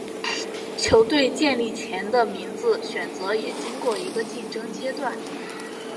球队建立前的名字选择也经过一个竞争阶段。